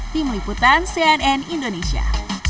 tim liputan cnn indonesia